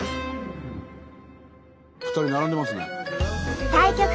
２人並んでますね。